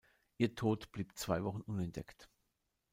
Ihr Tod blieb zwei Wochen unentdeckt.